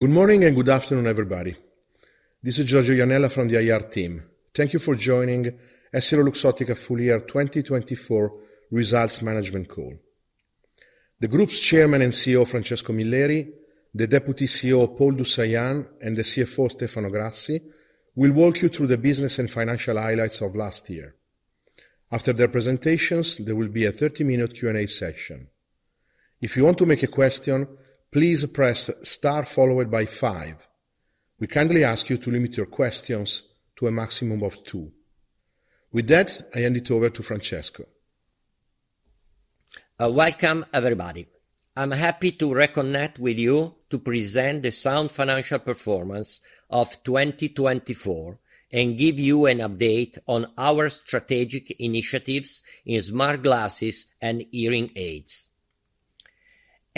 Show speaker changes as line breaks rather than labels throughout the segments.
Good morning and good afternoon, everybody. This is Giorgio Iannella from the IR team. Thank you for joining EssilorLuxottica full year 2024 results management call. The Group's Chairman and CEO, Francesco Milleri, the Deputy CEO, Paul du Saillant, and the CFO, Stefano Grassi, will walk you through the business and financial highlights of last year. After their presentations, there will be a 30-minute Q&A session. If you want to make a question, please press star followed by five. We kindly ask you to limit your questions to a maximum of two. With that, I hand it over to Francesco.
Welcome, everybody. I'm happy to reconnect with you to present the sound financial performance of 2024 and give you an update on our strategic initiatives in smart glasses and hearing aids.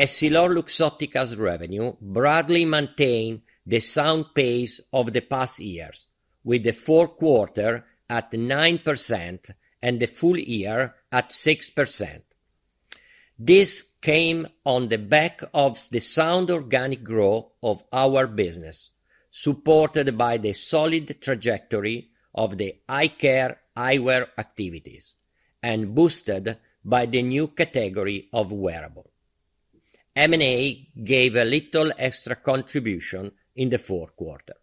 EssilorLuxottica's revenue broadly maintains the sound pace of the past years, with the fourth quarter at 9% and the full year at 6%. This came on the back of the sound organic growth of our business, supported by the solid trajectory of the eye care, eyewear activities, and boosted by the new category of wearable. M&A gave a little extra contribution in the fourth quarter.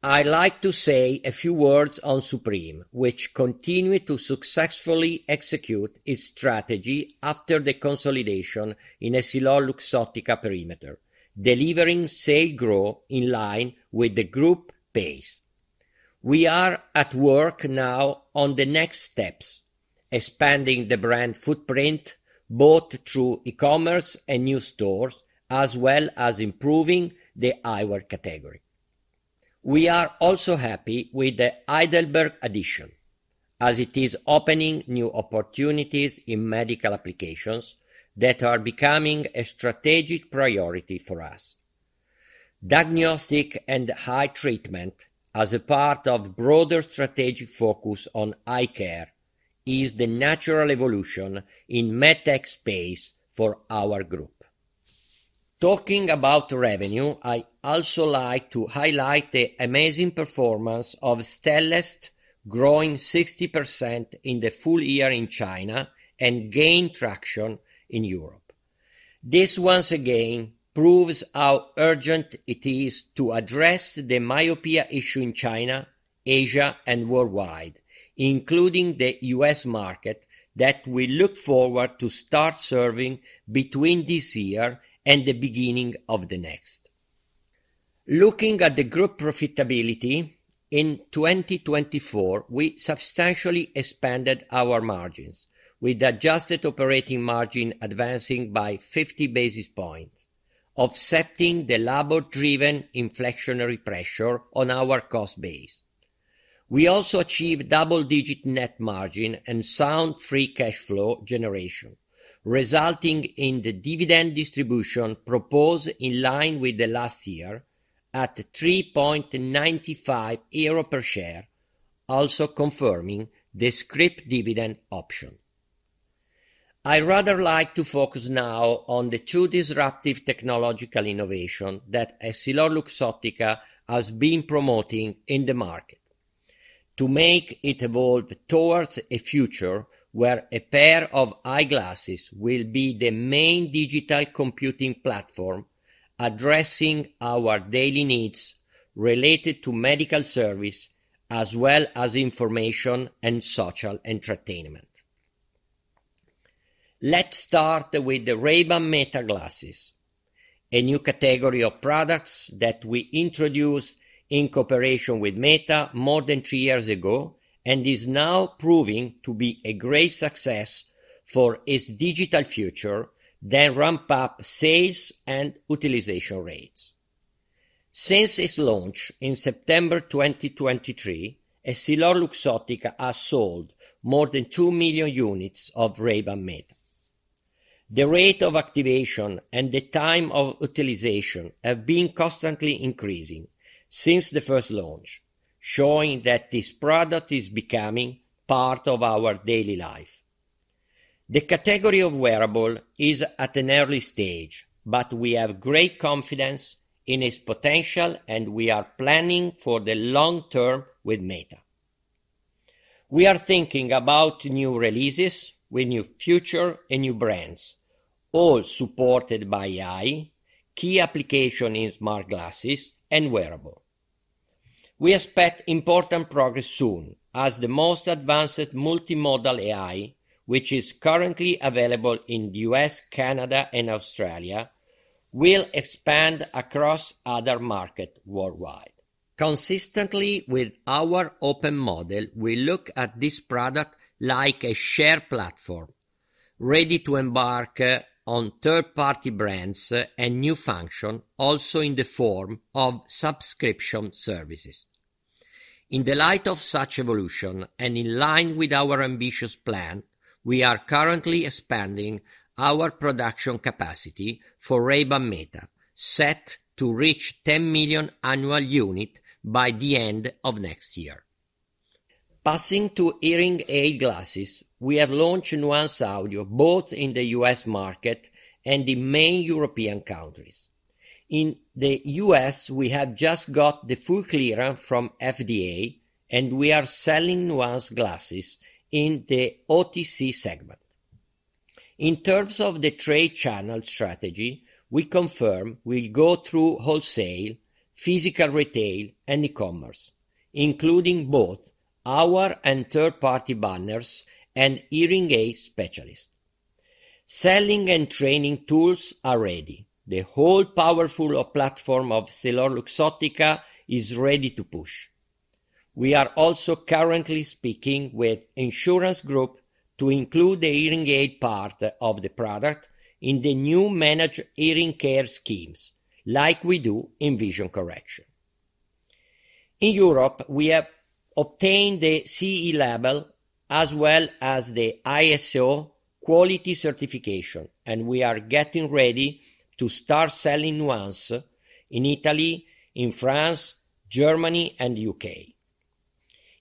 I'd like to say a few words on Supreme, which continued to successfully execute its strategy after the consolidation in EssilorLuxottica perimeter, delivering sales growth in line with the Group pace. We are at work now on the next steps, expanding the brand footprint both through e-commerce and new stores, as well as improving the eyewear category. We are also happy with the Heidelberg addition, as it is opening new opportunities in medical applications that are becoming a strategic priority for us. Diagnostic and eye treatment, as a part of a broader strategic focus on eye care, is the natural evolution in medtech space for our group. Talking about revenue, I'd also like to highlight the amazing performance of Stellest, growing 60% in the full year in China and gaining traction in Europe. This once again proves how urgent it is to address the myopia issue in China, Asia, and worldwide, including the U.S. market, that we look forward to start serving between this year and the beginning of the next. Looking at the Group profitability, in 2024, we substantially expanded our margins, with adjusted operating margin advancing by 50 basis points, offsetting the labor-driven inflationary pressure on our cost base. We also achieved double-digit net margin and sound free cash flow generation, resulting in the dividend distribution proposed in line with the last year at 3.95 euro per share, also confirming the Scrip dividend option. I'd rather like to focus now on the two disruptive technological innovations that EssilorLuxottica has been promoting in the market, to make it evolve towards a future where a pair of eyeglasses will be the main digital computing platform addressing our daily needs related to medical service, as well as information and social entertainment. Let's start with the Ray-Ban Meta glasses, a new category of products that we introduced in cooperation with Meta more than three years ago and is now proving to be a great success for its digital features that ramp up sales and utilization rates. Since its launch in September 2023, EssilorLuxottica has sold more than two million units of Ray-Ban Meta. The rate of activation and the time of utilization have been constantly increasing since the first launch, showing that this product is becoming part of our daily life. The category of wearable is at an early stage, but we have great confidence in its potential, and we are planning for the long term with Meta. We are thinking about new releases with new features and new brands, all supported by AI, key applications in smart glasses, and wearable. We expect important progress soon, as the most advanced multimodal AI, which is currently available in the U.S., Canada, and Australia, will expand across other markets worldwide. Consistently with our open model, we look at this product like a shared platform ready to embark on third-party brands and new functions, also in the form of subscription services. In the light of such evolution and in line with our ambitious plan, we are currently expanding our production capacity for Ray-Ban Meta, set to reach 10 million annual units by the end of next year. Passing to hearing aid glasses, we have launched Nuance Audio both in the U.S. market and the main European countries. In the U.S., we have just got the full clearance from FDA, and we are selling Nuance glasses in the OTC segment. In terms of the trade channel strategy, we confirm we'll go through wholesale, physical retail, and e-commerce, including both our and third-party banners and hearing aid specialists. Selling and training tools are ready. The whole powerful platform of EssilorLuxottica is ready to push. We are also currently speaking with insurance groups to include the hearing aid part of the product in the new managed hearing care schemes, like we do in vision correction. In Europe, we have obtained the CE level as well as the ISO quality certification, and we are getting ready to start selling Nuance in Italy, in France, Germany, and the U.K.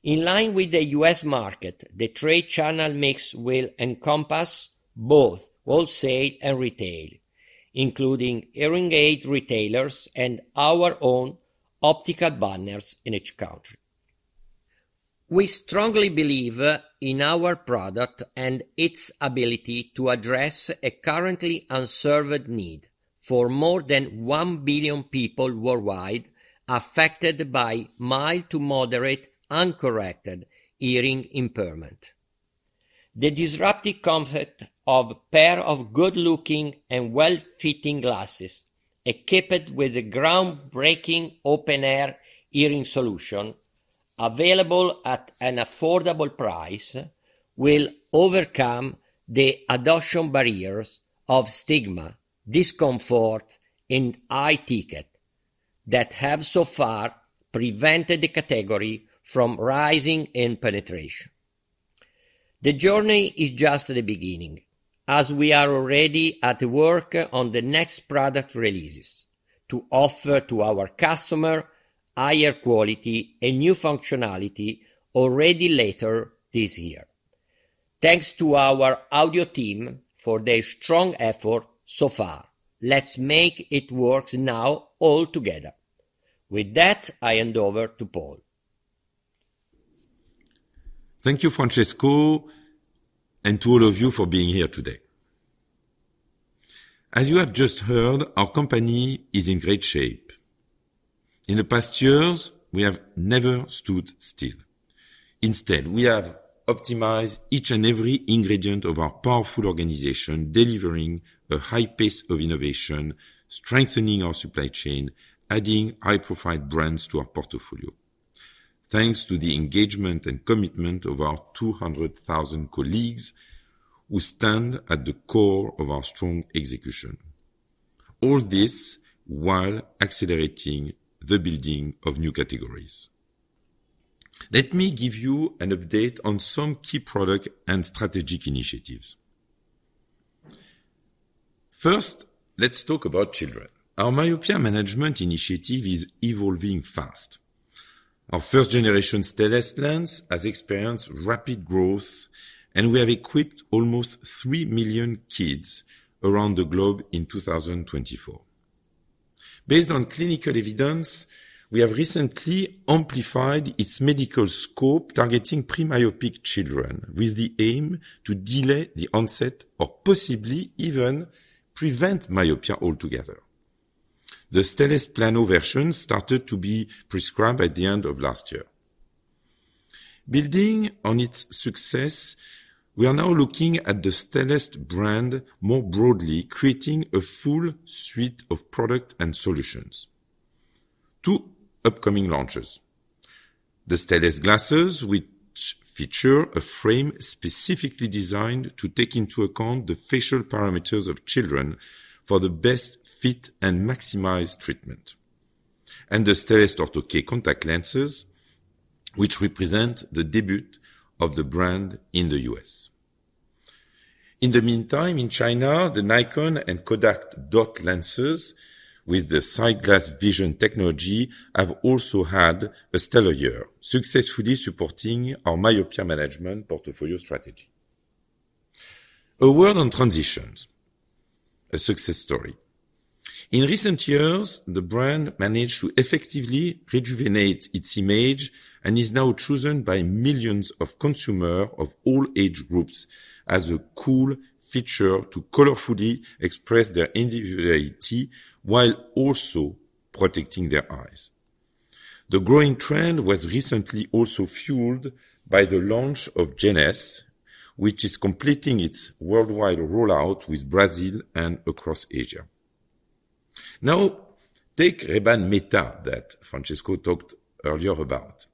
In line with the U.S. market, the trade channel mix will encompass both wholesale and retail, including hearing aid retailers and our own optical banners in each country. We strongly believe in our product and its ability to address a currently unserved need for more than 1 billion people worldwide affected by mild to moderate uncorrected hearing impairment. The disruptive concept of a pair of good-looking and well-fitting glasses, equipped with a groundbreaking open-air hearing solution available at an affordable price, will overcome the adoption barriers of stigma, discomfort, and high ticket that have so far prevented the category from rising in penetration. The journey is just the beginning, as we are already at work on the next product releases to offer to our customers higher quality and new functionality already later this year. Thanks to our audio team for their strong effort so far. Let's make it work now all together. With that, I hand over to Paul.
Thank you, Francesco, and to all of you for being here today. As you have just heard, our company is in great shape. In the past years, we have never stood still. Instead, we have optimized each and every ingredient of our powerful organization, delivering a high pace of innovation, strengthening our supply chain, and adding high-profile brands to our portfolio, thanks to the engagement and commitment of our 200,000 colleagues who stand at the core of our strong execution. All this while accelerating the building of new categories. Let me give you an update on some key product and strategic initiatives. First, let's talk about children. Our myopia management initiative is evolving fast. Our first-generation Stellest has experienced rapid growth, and we have equipped almost 3 million kids around the globe in 2024. Based on clinical evidence, we have recently amplified its medical scope targeting premyopic children with the aim to delay the onset or possibly even prevent myopia altogether. The Stellest plano version started to be prescribed at the end of last year. Building on its success, we are now looking at the Stellest brand more broadly, creating a full suite of products and solutions. Two upcoming launches: the Stellest glasses, which feature a frame specifically designed to take into account the facial parameters of children for the best fit and maximize treatment, and the Stellest Dot OK contact lenses, which represent the debut of the brand in the U.S. In the meantime, in China, the Nikon and Kodak DOT lenses with the SightGlass Vision technology have also had a stellar year, successfully supporting our myopia management portfolio strategy. A word on Transitions, a success story. In recent years, the brand managed to effectively rejuvenate its image and is now chosen by millions of consumers of all age groups as a cool feature to colorfully express their individuality while also protecting their eyes. The growing trend was recently also fueled by the launch of Gen S, which is completing its worldwide rollout with Brazil and across Asia. Now, take Ray-Ban Meta that Francesco talked earlier about.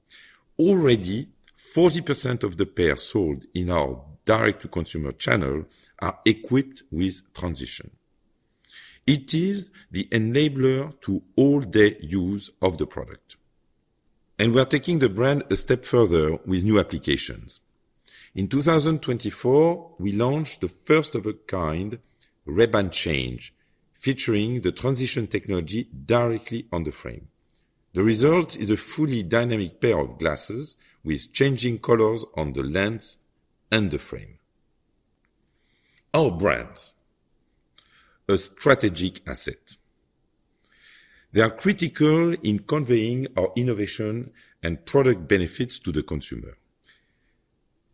Already, 40% of the pairs sold in our direct-to-consumer channel are equipped with Transitions. It is the enabler to all the use of the product, and we are taking the brand a step further with new applications. In 2024, we launched the first-of-a-kind Ray-Ban Change, featuring the Transitions technology directly on the frame. The result is a fully dynamic pair of glasses with changing colors on the lens and the frame. Our brands, a strategic asset. They are critical in conveying our innovation and product benefits to the consumer.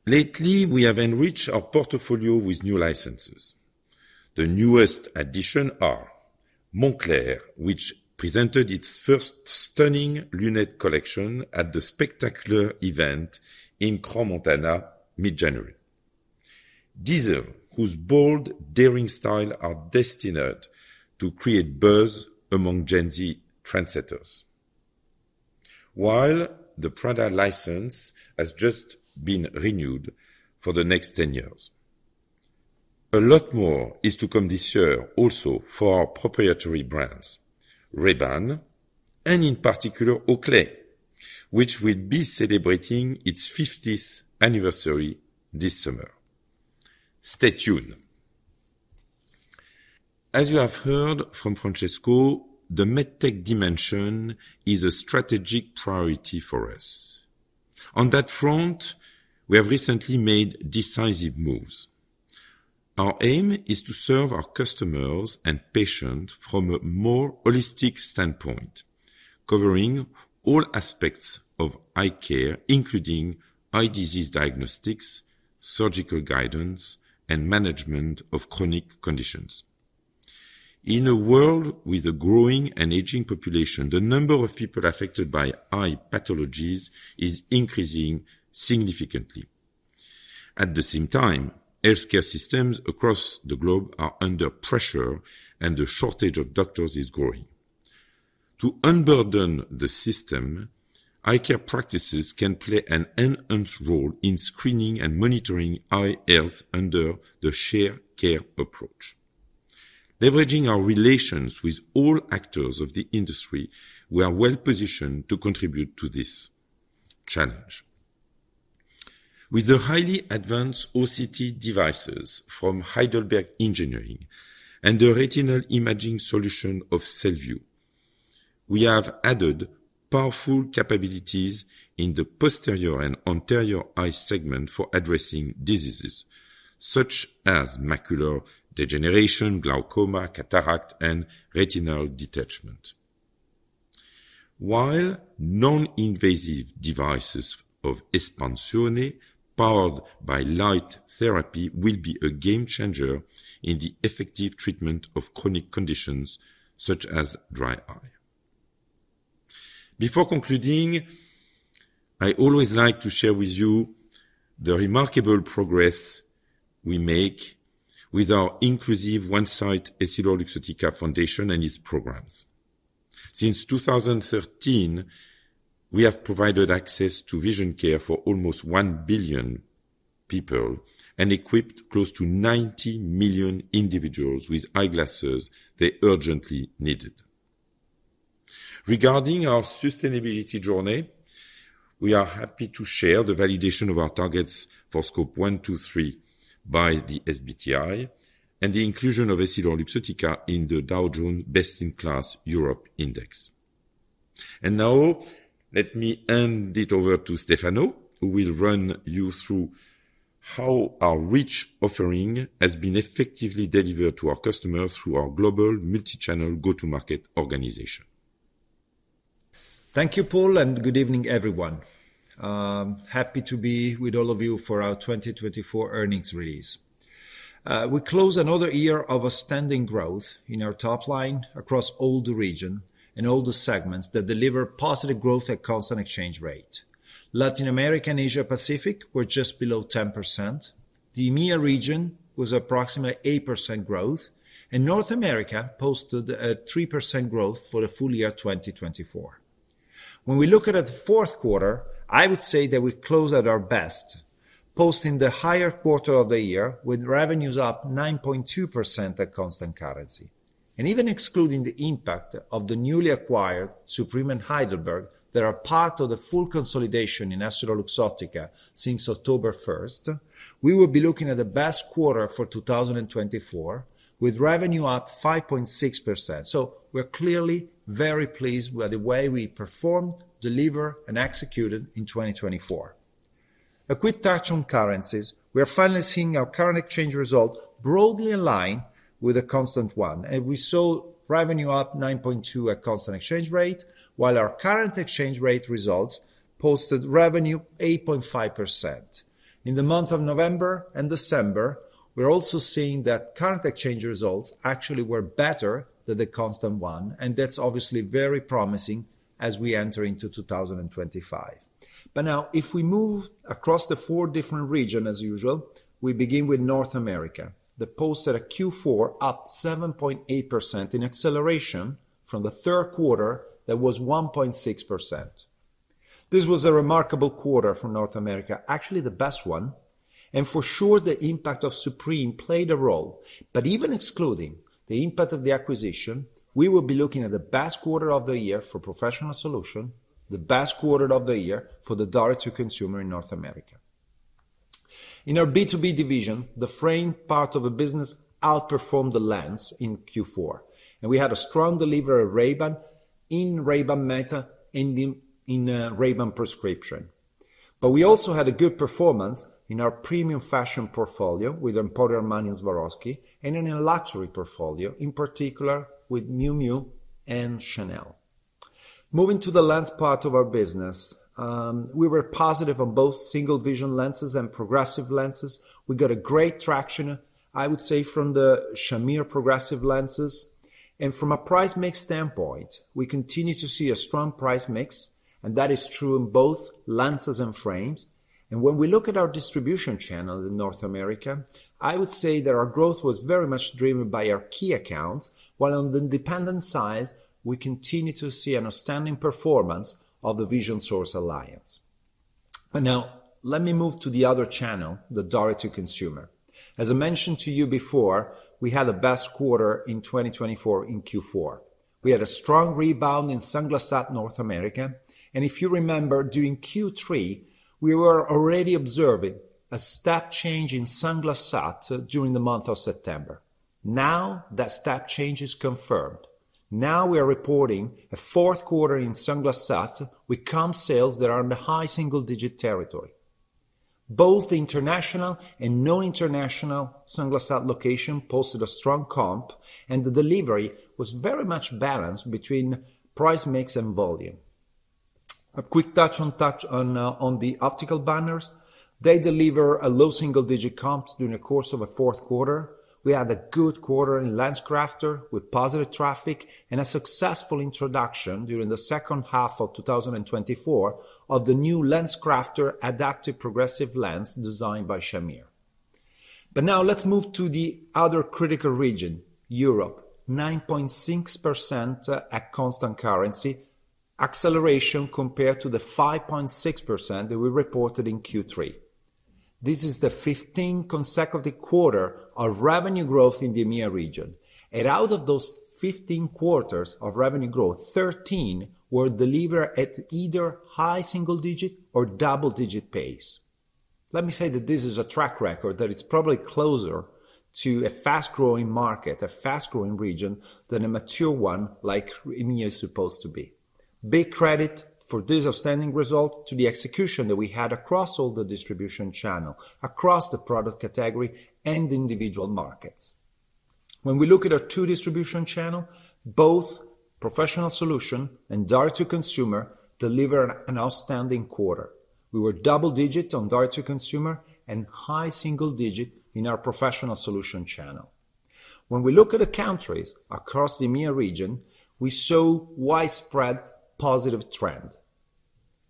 Lately, we have enriched our portfolio with new licenses. The newest additions are Moncler, which presented its first stunning lunettes collection at the spectacular event in Crans-Montana mid-January, and Diesel, whose bold daring style is destined to create buzz among Gen Z trendsetters, while the Prada license has just been renewed for the next 10 years. A lot more is to come this year also for our proprietary brands, Ray-Ban and in particular Oakley, which will be celebrating its 50th anniversary this summer. Stay tuned. As you have heard from Francesco, the medtech dimension is a strategic priority for us. On that front, we have recently made decisive moves. Our aim is to serve our customers and patients from a more holistic standpoint, covering all aspects of eye care, including eye disease diagnostics, surgical guidance, and management of chronic conditions. In a world with a growing and aging population, the number of people affected by eye pathologies is increasing significantly. At the same time, healthcare systems across the globe are under pressure, and the shortage of doctors is growing. To unburden the system, eye care practices can play an enhanced role in screening and monitoring eye health under the shared care approach. Leveraging our relations with all actors of the industry, we are well positioned to contribute to this challenge. With the highly advanced OCT devices from Heidelberg Engineering and the retinal imaging solution of CenterVue, we have added powerful capabilities in the posterior and anterior eye segment for addressing diseases such as macular degeneration, glaucoma, cataract, and retinal detachment, while non-invasive devices of Espansione powered by light therapy will be a game changer in the effective treatment of chronic conditions such as dry eye. Before concluding, I always like to share with you the remarkable progress we make with our inclusive OneSight EssilorLuxottica Foundation and its programs. Since 2013, we have provided access to vision care for almost one billion people and equipped close to 90 million individuals with eyeglasses they urgently needed. Regarding our sustainability journey, we are happy to share the validation of our targets for Scope 1, 2, 3 by the SBTi and the inclusion of EssilorLuxottica in the Dow Jones Best in Class Europe Index. Now, let me hand it over to Stefano, who will run you through how our rich offering has been effectively delivered to our customers through our global multi-channel go-to-market organization.
Thank you, Paul, and good evening, everyone. Happy to be with all of you for our 2024 earnings release. We close another year of outstanding growth in our top line across all the region and all the segments that deliver positive growth at constant exchange rate. Latin America and Asia-Pacific were just below 10%. The EMEA region was approximately 8% growth, and North America posted a 3% growth for the full year 2024. When we look at the fourth quarter, I would say that we closed at our best, posting the higher quarter of the year with revenues up 9.2% at constant currency, and even excluding the impact of the newly acquired Supreme and Heidelberg that are part of the full consolidation in EssilorLuxottica since October 1st, we will be looking at the best quarter for 2024 with revenue up 5.6%. So we're clearly very pleased with the way we performed, delivered, and executed in 2024. A quick touch on currencies. We are finally seeing our current exchange result broadly aligned with a constant one, and we saw revenue up 9.2% at constant exchange rate, while our current exchange rate results posted revenue 8.5%. In the month of November and December, we're also seeing that current exchange results actually were better than the constant one, and that's obviously very promising as we enter into 2025. But now, if we move across the four different regions, as usual, we begin with North America, that posted a Q4 up 7.8% in acceleration from the third quarter that was 1.6%. This was a remarkable quarter for North America, actually the best one. And for sure, the impact of Supreme played a role. But even excluding the impact of the acquisition, we will be looking at the best quarter of the year for professional solutions, the best quarter of the year for the direct-to-consumer in North America. In our B2B division, the frame part of the business outperformed the lens in Q4, and we had a strong delivery of Ray-Ban in Ray-Ban Meta and in Ray-Ban prescription. But we also had a good performance in our premium fashion portfolio with Emporio Armani and Swarovski, and in a luxury portfolio, in particular with Miu Miu and Chanel. Moving to the lens part of our business, we were positive on both single-vision lenses and progressive lenses. We got great traction, I would say, from the Shamir progressive lenses. And from a price mix standpoint, we continue to see a strong price mix, and that is true in both lenses and frames. And when we look at our distribution channel in North America, I would say that our growth was very much driven by our key accounts, while on the independent side, we continue to see an outstanding performance of the Vision Source Alliance. But now, let me move to the other channel, the direct-to-consumer. As I mentioned to you before, we had a best quarter in 2024 in Q4. We had a strong rebound in Sunglass Hut North America. And if you remember, during Q3, we were already observing a step change in Sunglass Hut during the month of September. Now, that step change is confirmed. Now, we are reporting a fourth quarter in Sunglass Hut with comp sales that are in the high single-digit territory. Both the international and non-international Sunglass Hut location posted a strong comp, and the delivery was very much balanced between price mix and volume. A quick touch on the optical banners. They delivered a low single-digit comp during the course of the fourth quarter. We had a good quarter in LensCrafters with positive traffic and a successful introduction during the second half of 2024 of the new LensCrafters Adaptive Progressive Lens designed by Shamir. But now, let's move to the other critical region, Europe, 9.6% at constant currency acceleration compared to the 5.6% that we reported in Q3. This is the 15th consecutive quarter of revenue growth in the EMEA region. And out of those 15 quarters of revenue growth, 13 were delivered at either high single-digit or double-digit pace. Let me say that this is a track record that it's probably closer to a fast-growing market, a fast-growing region than a mature one like EMEA is supposed to be. Big credit for this outstanding result to the execution that we had across all the distribution channels, across the product category and individual markets. When we look at our two distribution channels, both professional solution and direct-to-consumer delivered an outstanding quarter. We were double-digit on direct-to-consumer and high single-digit in our professional solution channel. When we look at the countries across the EMEA region, we saw a widespread positive trend.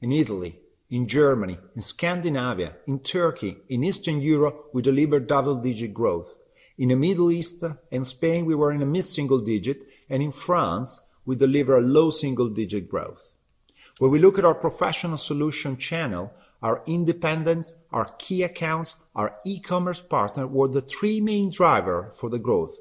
In Italy, in Germany, in Scandinavia, in Turkey, in Eastern Europe, we delivered double-digit growth. In the Middle East and Spain, we were in the mid-single digit, and in France, we delivered low single-digit growth. When we look at our professional solution channel, our independents, our key accounts, our e-commerce partners were the three main drivers for the growth.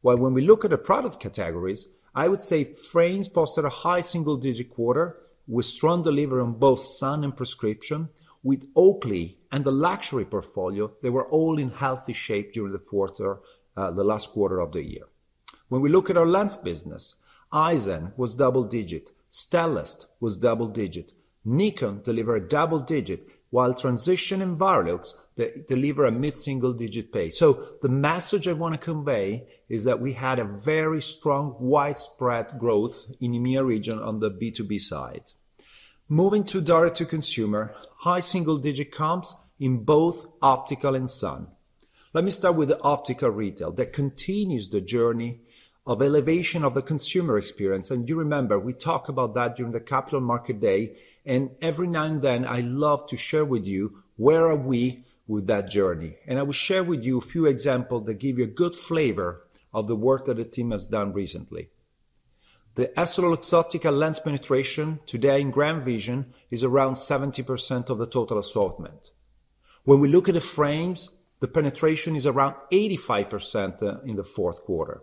While, when we look at the product categories, I would say frames posted a high single-digit quarter with strong delivery on both sun and prescription, with Oakley and the luxury portfolio, they were all in healthy shape during the last quarter of the year. When we look at our lens business, Eyezen was double-digit, Stellest was double-digit, Nikon delivered double-digit, while Transitions and Varilux delivered a mid-single digit pace. So the message I want to convey is that we had a very strong, widespread growth in the EMEA region on the B2B side. Moving to direct-to-consumer, high single-digit comps in both optical and sun. Let me start with the optical retail that continues the journey of elevation of the consumer experience, and you remember, we talked about that during the Capital Market Day, and every now and then, I love to share with you where are we with that journey. I will share with you a few examples that give you a good flavor of the work that the team has done recently. The EssilorLuxottica lens penetration today in GrandVision is around 70% of the total assortment. When we look at the frames, the penetration is around 85% in the fourth quarter.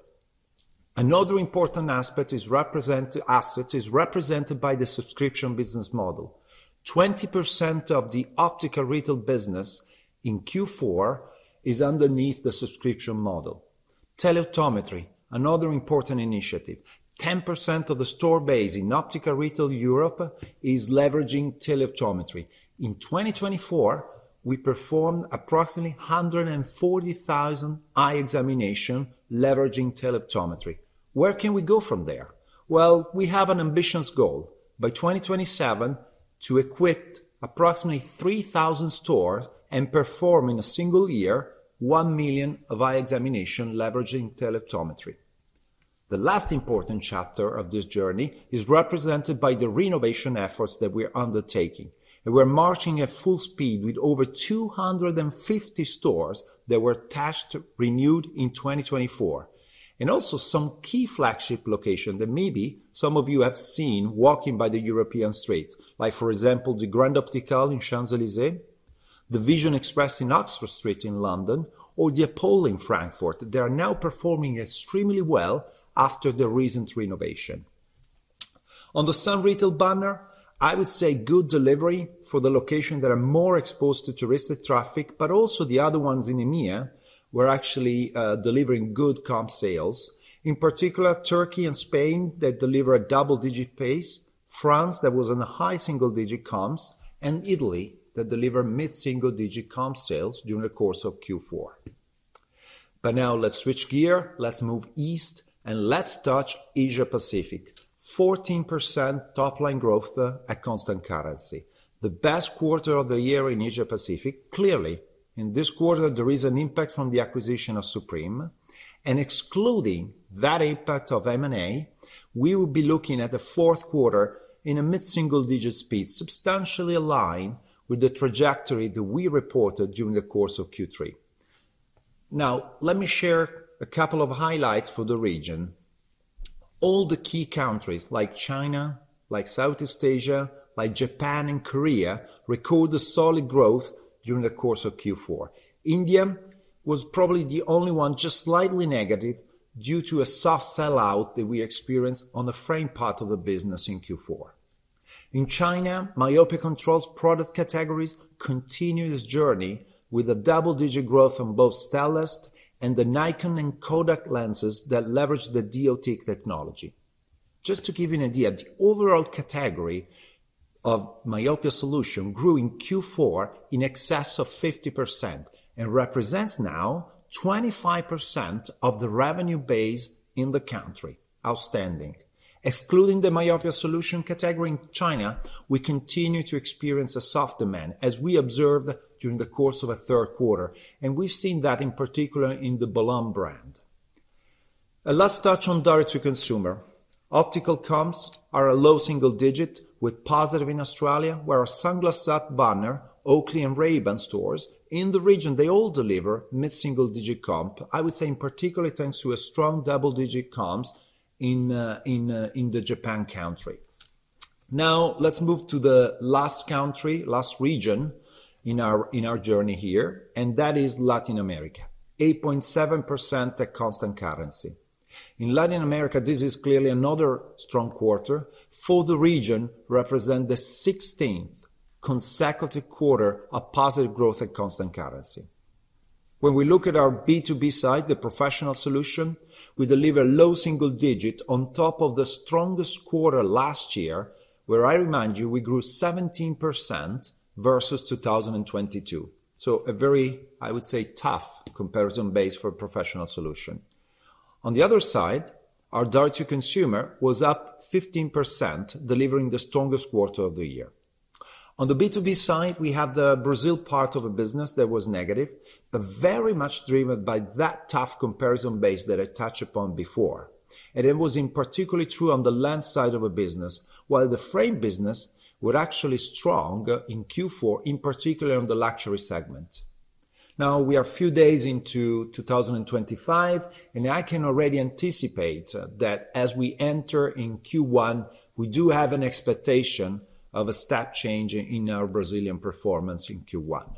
Another important asset is represented by the subscription business model. 20% of the optical retail business in Q4 is underneath the subscription model. Teleoptometry, another important initiative. 10% of the store base in optical retail Europe is leveraging teleoptometry. In 2024, we performed approximately 140,000 eye examinations leveraging teleoptometry. Where can we go from there? We have an ambitious goal by 2027 to equip approximately 3,000 stores and perform in a single year 1 million of eye examinations leveraging teleoptometry. The last important chapter of this journey is represented by the renovation efforts that we are undertaking. And we're marching at full speed with over 250 stores that were touched, renewed in 2024, and also some key flagship locations that maybe some of you have seen walking by the European streets, like, for example, the Grand Optical in Champs-Élysées, the Vision Express in Oxford Street in London, or the Apollo in Frankfurt. They are now performing extremely well after the recent renovation. On the Sunglass retail banner, I would say good delivery for the locations that are more exposed to touristic traffic, but also the other ones in EMEA were actually delivering good comp sales. In particular, Turkey and Spain that delivered a double-digit pace, France that was on a high single-digit comps, and Italy that delivered mid-single-digit comp sales during the course of Q4. But now, let's switch gears. Let's move east and let's touch Asia-Pacific. 14% top line growth at constant currency. The best quarter of the year in Asia-Pacific, clearly, in this quarter, there is an impact from the acquisition of Supreme. And excluding that impact of M&A, we will be looking at the fourth quarter in a mid-single digit speed, substantially aligned with the trajectory that we reported during the course of Q3. Now, let me share a couple of highlights for the region. All the key countries, like China, like Southeast Asia, like Japan and Korea, recorded solid growth during the course of Q4. India was probably the only one just slightly negative due to a soft sell-out that we experienced on the frame part of the business in Q4. In China, Myopia Controls product categories continued this journey with a double-digit growth on both Stellest and the Nikon and Kodak lenses that leverage the DOT technology. Just to give you an idea, the overall category of Myopia Solution grew in Q4 in excess of 50% and represents now 25% of the revenue base in the country. Outstanding. Excluding the Myopia Solution category in China, we continue to experience a soft demand, as we observed during the course of the third quarter, and we've seen that in particular in the Bolon brand. A last touch on direct-to-consumer. Optical comps are a low single digit with positive in Australia, whereas Sunglass Hut banner, Oakley, and Ray-Ban stores in the region, they all deliver mid-single digit comp. I would say in particular thanks to a strong double-digit comps in the Japan country. Now, let's move to the last country, last region in our journey here, and that is Latin America, 8.7% at constant currency. In Latin America, this is clearly another strong quarter. For the region, it represents the 16th consecutive quarter of positive growth at constant currency. When we look at our B2B side, the professional solution, we deliver low single digit on top of the strongest quarter last year, where I remind you, we grew 17% versus 2022. So a very, I would say, tough comparison base for professional solution. On the other side, our direct-to-consumer was up 15%, delivering the strongest quarter of the year. On the B2B side, we had the Brazil part of the business that was negative, but very much driven by that tough comparison base that I touched upon before. And it was particularly true on the lens side of the business, while the frame business was actually strong in Q4, in particular on the luxury segment. Now, we are a few days into 2025, and I can already anticipate that as we enter in Q1, we do have an expectation of a step change in our Brazilian performance in Q1.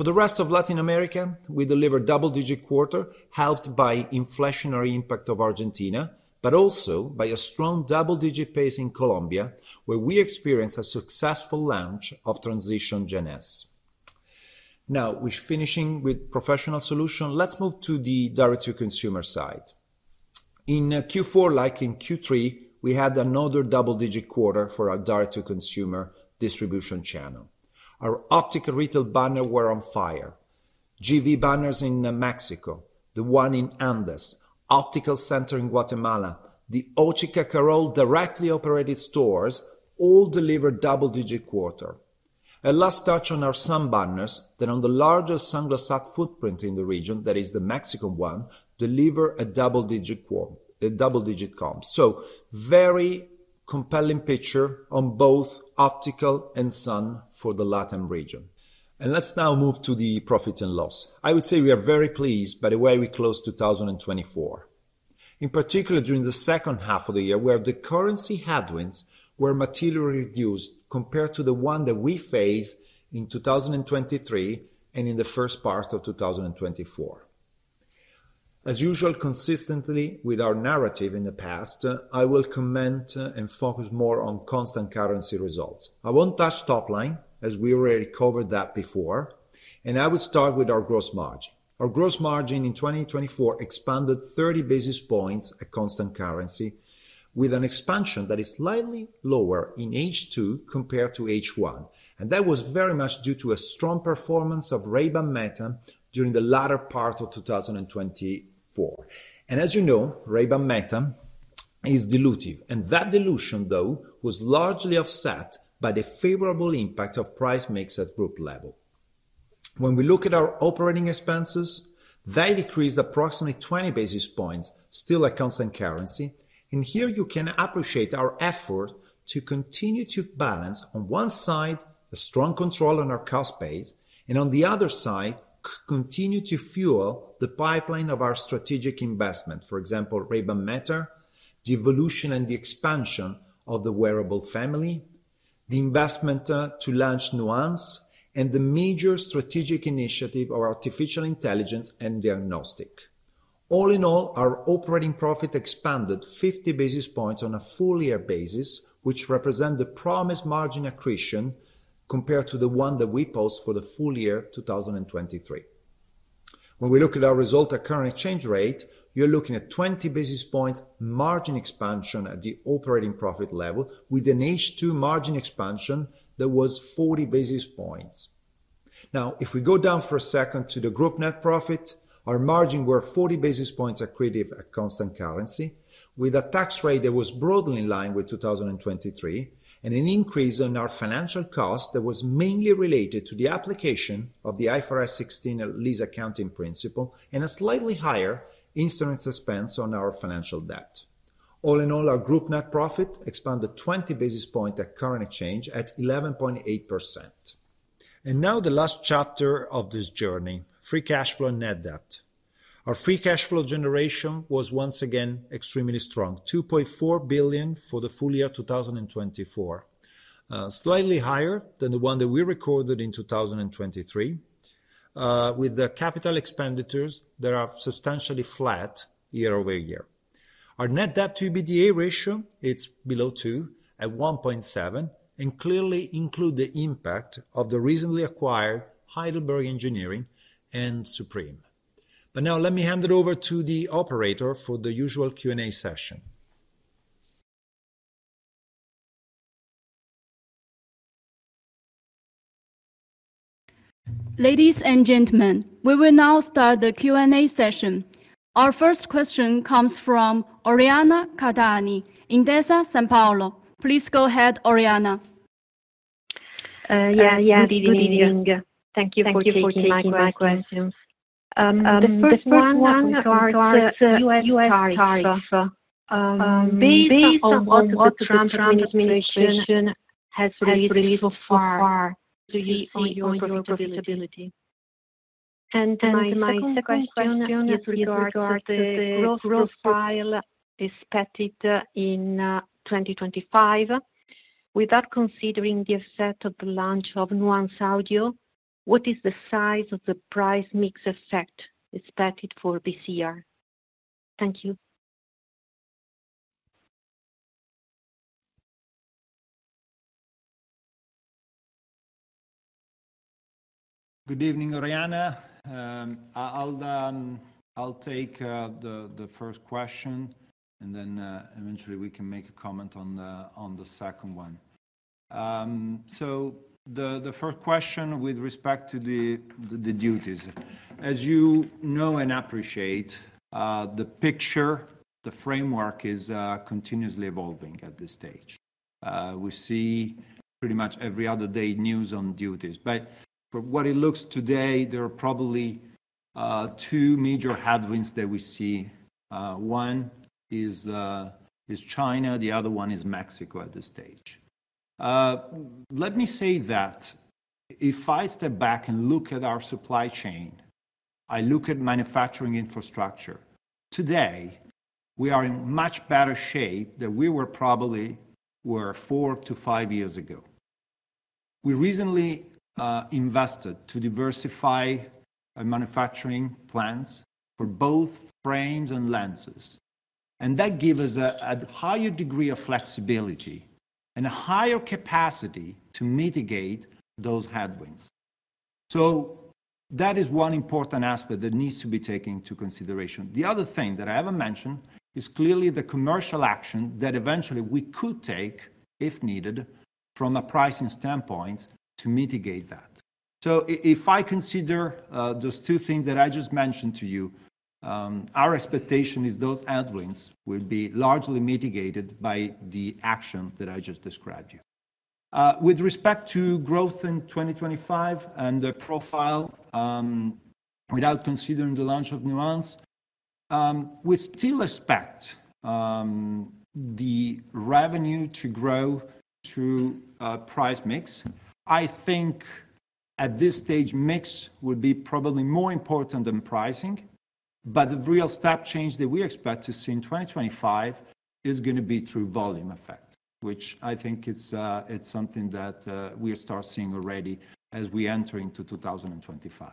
For the rest of Latin America, we delivered double-digit quarter, helped by the inflationary impact of Argentina, but also by a strong double-digit pace in Colombia, where we experienced a successful launch of Transitions Gen S. Now, we're finishing with professional solutions. Let's move to the direct-to-consumer side. In Q4, like in Q3, we had another double-digit quarter for our direct-to-consumer distribution channel. Our optical retail banners were on fire. GV banners in Mexico, the one in Andes, Optical Center in Guatemala, the Óticas Carol directly operated stores all delivered double-digit quarter. A last touch on our sun banners, that on the largest Sunglass Hut footprint in the region, that is the Mexican one, delivered a double-digit comp. So very compelling picture on both optical and sun for the Latin region. And let's now move to the profit and loss. I would say we are very pleased by the way we closed 2024, in particular during the second half of the year, where the currency headwinds were materially reduced compared to the one that we faced in 2023 and in the first part of 2024. As usual, consistently with our narrative in the past, I will comment and focus more on constant currency results. I won't touch top line, as we already covered that before. I would start with our gross margin. Our gross margin in 2024 expanded 30 basis points at constant currency, with an expansion that is slightly lower in H2 compared to H1. That was very much due to a strong performance of Ray-Ban Meta during the latter part of 2024. As you know, Ray-Ban Meta is dilutive. That dilution, though, was largely offset by the favorable impact of price mix at group level. When we look at our operating expenses, they decreased approximately 20 basis points, still at constant currency. Here you can appreciate our effort to continue to balance, on one side, a strong control on our cost base, and on the other side, continue to fuel the pipeline of our strategic investment, for example, Ray-Ban Meta, the evolution and the expansion of the wearable family, the investment to launch Nuance, and the major strategic initiative of artificial intelligence and diagnostic. All in all, our operating profit expanded 50 basis points on a full year basis, which represents the promised margin accretion compared to the one that we post for the full year 2023. When we look at our result at current exchange rate, you're looking at 20 basis points margin expansion at the operating profit level, with an H2 margin expansion that was 40 basis points. Now, if we go down for a second to the group net profit, our margin was 40 basis points accretive at constant currency, with a tax rate that was broadly in line with 2023, and an increase in our financial costs that was mainly related to the application of the IFRS 16 Lease Accounting Principle and a slightly higher interest expense on our financial debt. All in all, our group net profit expanded 20 basis points at current exchange at 11.8%. And now the last chapter of this journey, free cash flow and net debt. Our free cash flow generation was once again extremely strong, 2.4 billion for the full year 2024, slightly higher than the one that we recorded in 2023, with the capital expenditures that are substantially flat year-over-year. Our net debt to EBITDA ratio, it's below 2 at 1.7, and clearly includes the impact of the recently acquired Heidelberg Engineering and Supreme. But now, let me hand it over to the operator for the usual Q&A session.
Ladies and gentlemen, we will now start the Q&A session. Our first question comes from Oriana Cardani at Intesa Sanpaolo. Please go ahead, Oriana.
Yeah, yeah. Thank you for taking my questions. The first one regards U.S. tariffs. Based on what the Trump administration has released so far, do you see any profitability? And my second question is regards to the growth profile expected in 2025. Without considering the effect of the launch of Nuance Audio, what is the size of the price mix effect expected for this year? Thank you.
Good evening, Oriana. I'll take the first question, and then eventually we can make a comment on the second one. So the first question with respect to the duties. As you know and appreciate, the picture, the framework is continuously evolving at this stage. We see pretty much every other day news on duties. But from what it looks today, there are probably two major headwinds that we see. One is China, the other one is Mexico at this stage. Let me say that if I step back and look at our supply chain, I look at manufacturing infrastructure. Today, we are in much better shape than we were probably four to five years ago. We recently invested to diversify our manufacturing plants for both frames and lenses. And that gives us a higher degree of flexibility and a higher capacity to mitigate those headwinds. So that is one important aspect that needs to be taken into consideration. The other thing that I haven't mentioned is clearly the commercial action that eventually we could take, if needed, from a pricing standpoint to mitigate that. So if I consider those two things that I just mentioned to you, our expectation is those headwinds will be largely mitigated by the action that I just described to you. With respect to growth in 2025 and the profile, without considering the launch of Nuance, we still expect the revenue to grow through price mix. I think at this stage, mix would be probably more important than pricing. But the real step change that we expect to see in 2025 is going to be through volume effect, which I think it's something that we are starting to see already as we enter into 2025.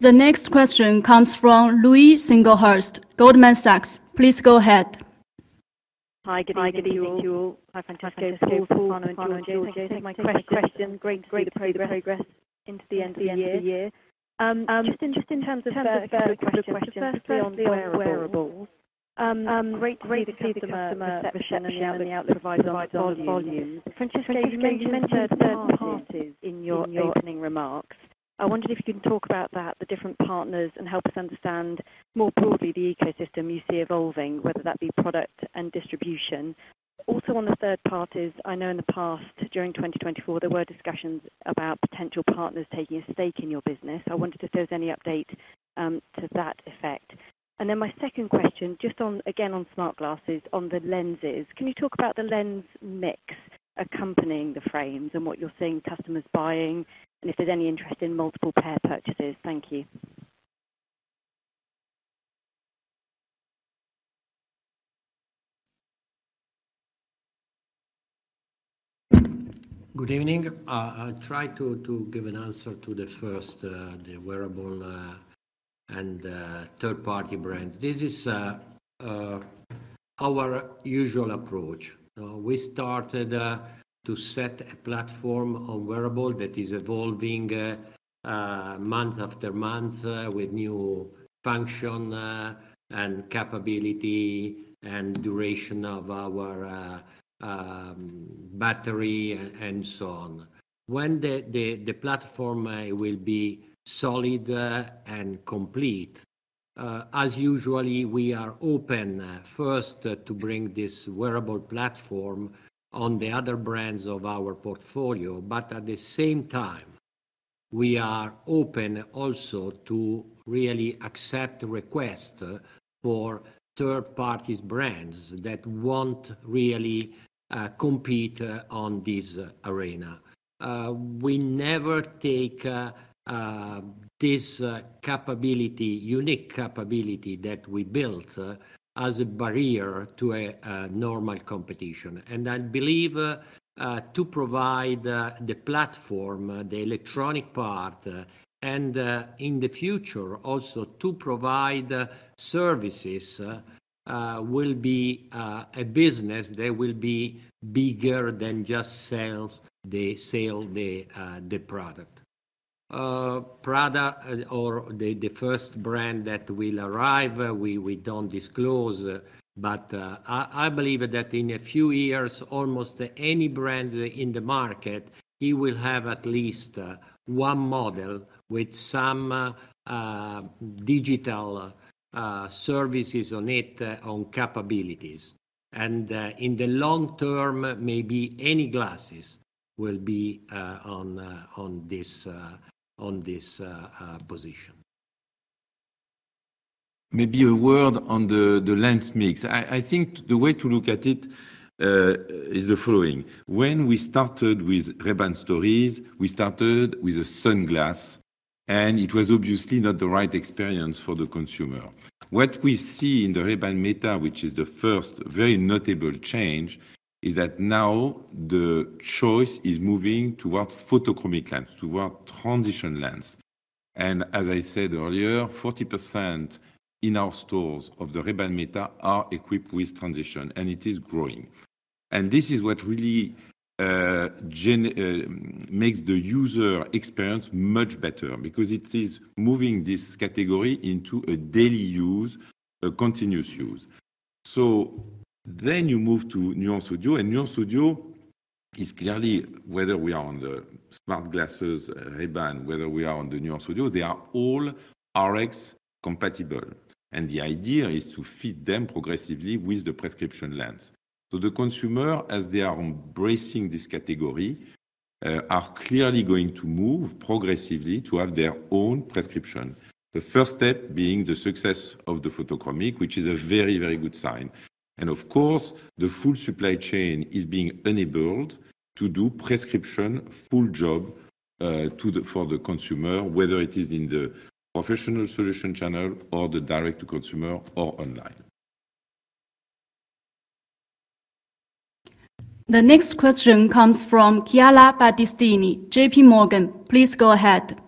The next question comes from Louise Singlehurst, Goldman Sachs. Please go ahead.
Hi, good evening. Hi, thank you. My question is into the end of the year. Just in terms of the first three on the wearables, great to see some perception now that the outlet provides volume. Francesco, you mentioned third parties in your opening remarks. I wondered if you could talk about that, the different partners, and help us understand more broadly the ecosystem you see evolving, whether that be product and distribution. Also, on the third parties, I know in the past, during 2024, there were discussions about potential partners taking a stake in your business. I wondered if there was any update to that effect. And then my second question, just again on smart glasses, on the lenses. Can you talk about the lens mix accompanying the frames and what you're seeing customers buying, and if there's any interest in multiple pair purchases? Thank you.
Good evening. I'll try to give an answer to the first, the wearables and third-party brands. This is our usual approach. We started to set a platform on wearables that is evolving month after month with new function and capability and duration of our battery and so on. When the platform will be solid and complete, as usual, we are open first to bring this wearable platform on the other brands of our portfolio. But at the same time, we are open also to really accept requests for third-party brands that won't really compete on this arena. We never take this capability, unique capability that we built, as a barrier to normal competition. And I believe to provide the platform, the electronic part, and in the future also to provide services will be a business that will be bigger than just sales. They sell the product. Or the first brand that will arrive, we don't disclose, but I believe that in a few years, almost any brand in the market, it will have at least one model with some digital services on it, on capabilities. And in the long term, maybe any glasses will be on this position.
Maybe a word on the lens mix. I think the way to look at it is the following. When we started with Ray-Ban Stories, we started with a sunglasses, and it was obviously not the right experience for the consumer. What we see in the Ray-Ban Meta, which is the first very notable change, is that now the choice is moving towards photochromic lens, towards transition lens. And as I said earlier, 40% in our stores of the Ray-Ban Meta are equipped with transition, and it is growing. And this is what really makes the user experience much better because it is moving this category into a daily use, a continuous use. So then you move to Nuance Audio, and Nuance Audio is clearly, whether we are on the smart glasses, Ray-Ban, whether we are on the Nuance Audio, they are all Rx compatible. And the idea is to fit them progressively with the prescription lens. So the consumer, as they are embracing this category, are clearly going to move progressively to have their own prescription. The first step being the success of the photochromic, which is a very, very good sign. And of course, the full supply chain is being enabled to do prescription full job for the consumer, whether it is in the professional solution channel or the direct-to-consumer or online.
The next question comes from Chiara Battistini, JPMorgan. Please go ahead.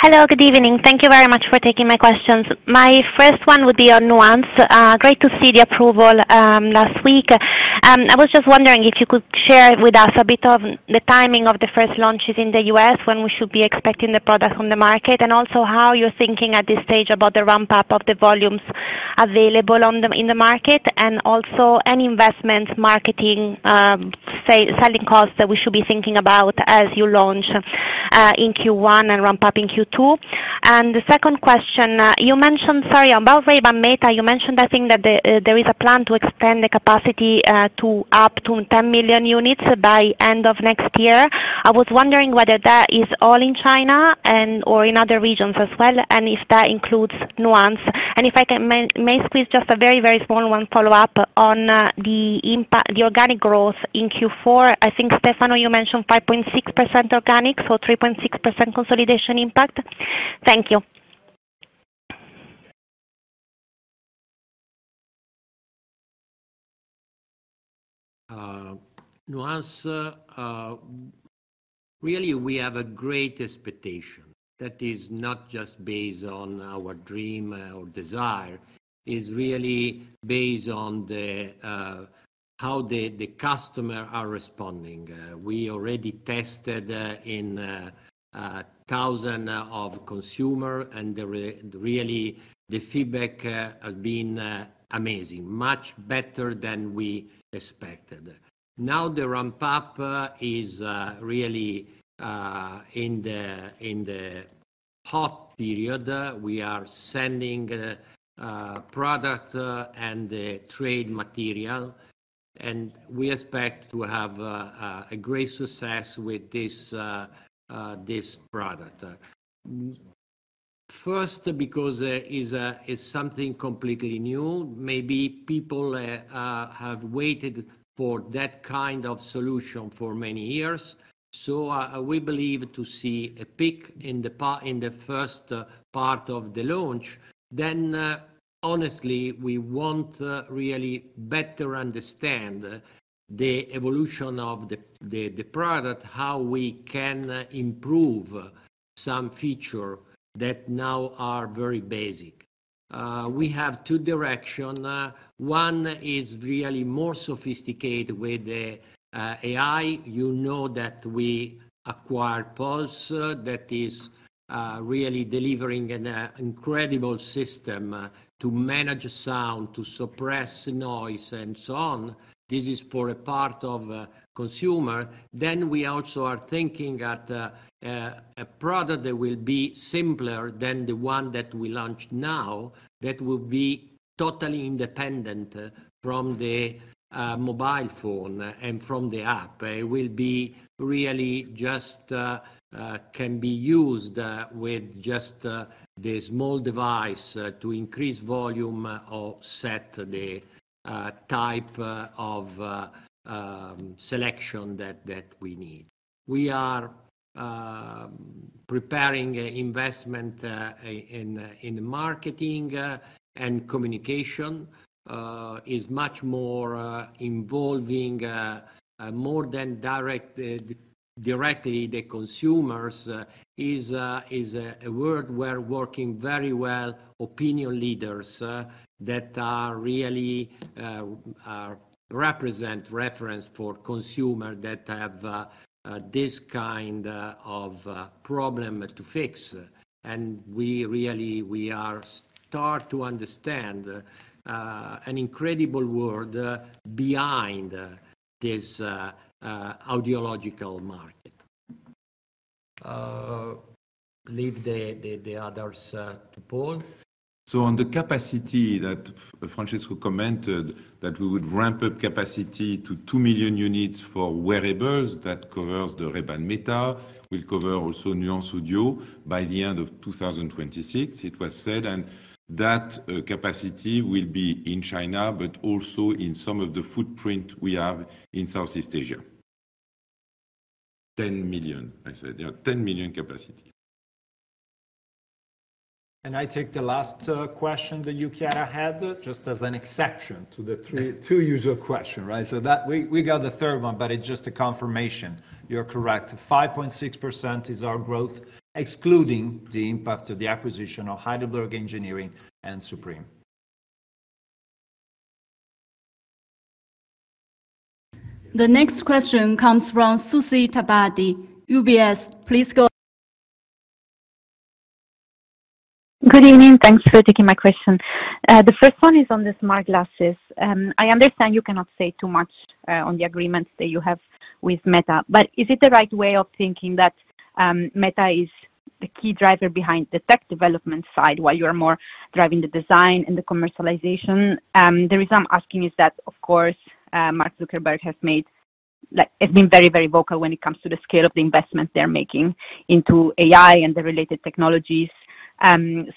Hello, good evening. Thank you very much for taking my questions. My first one would be on Nuance. Great to see the approval last week. I was just wondering if you could share with us a bit of the timing of the first launches in the U.S., when we should be expecting the product on the market, and also how you're thinking at this stage about the ramp-up of the volumes available in the market, and also any investment, marketing, selling costs that we should be thinking about as you launch in Q1 and ramp up in Q2. And the second question, you mentioned, sorry, about Ray-Ban Meta, you mentioned I think that there is a plan to extend the capacity to up to 10 million units by end of next year. I was wondering whether that is all in China or in other regions as well, and if that includes Nuance. And if I may squeeze just a very, very small one follow-up on the organic growth in Q4. I think, Stefano, you mentioned 5.6% organic, so 3.6% consolidation impact. Thank you.
Nuance, really, we have a great expectation that is not just based on our dream or desire, is really based on how the customers are responding. We already tested in thousands of consumers, and really, the feedback has been amazing, much better than we expected. Now the ramp-up is really in the hot period. We are sending product and trade material, and we expect to have a great success with this product. First, because it's something completely new, maybe people have waited for that kind of solution for many years. So we believe to see a peak in the first part of the launch. Then, honestly, we want to really better understand the evolution of the product, how we can improve some features that now are very basic. We have two directions. One is really more sophisticated with the AI. You know that we acquired Pulse, that is really delivering an incredible system to manage sound, to suppress noise, and so on. This is for a part of consumers. Then we also are thinking that a product that will be simpler than the one that we launched now, that will be totally independent from the mobile phone and from the app. It will be really just can be used with just the small device to increase volume or set the type of selection that we need. We are preparing investment in marketing and communication. It's much more involving, more than directly the consumers. It's a world we're working very well, opinion leaders that really represent reference for consumers that have this kind of problem to fix. And we really start to understand an incredible world behind this audiological market. Leave the others to Paul.
So on the capacity that Francesco commented, that we would ramp up capacity to two million units for wearables that covers the Ray-Ban Meta, will cover also Nuance Audio by the end of 2026, it was said. And that capacity will be in China, but also in some of the footprint we have in Southeast Asia. 10 million, I said. 10 million capacity.
And I take the last question that you had just as an exception to the two-user question, right? So we got the third one, but it's just a confirmation. You're correct. 5.6% is our growth, excluding the impact of the acquisition of Heidelberg Engineering and Supreme.
The next question comes from Susy Tibaldi. UBS, please go.
Good evening. Thanks for taking my question. The first one is on the smart glasses. I understand you cannot say too much on the agreements that you have with Meta, but is it the right way of thinking that Meta is the key driver behind the tech development side while you're more driving the design and the commercialization? The reason I'm asking is that, of course, Mark Zuckerberg has been very, very vocal when it comes to the scale of the investment they're making into AI and the related technologies.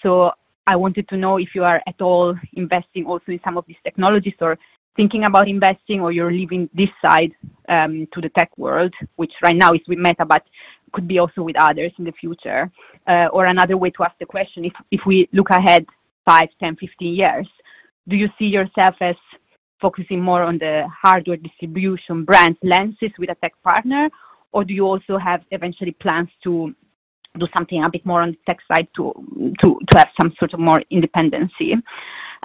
So I wanted to know if you are at all investing also in some of these technologies or thinking about investing, or you're leaving this side to the tech world, which right now is with Meta, but could be also with others in the future. Or another way to ask the question, if we look ahead five, 10, 15 years, do you see yourself as focusing more on the hardware distribution brand lenses with a tech partner, or do you also have eventually plans to do something a bit more on the tech side to have some sort of more independence?